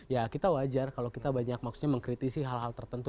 ya kita wajar kalau kita banyak maksudnya mengkritisi hal hal tertentu